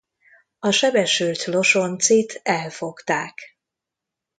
A sebesült Losoncit elfogták.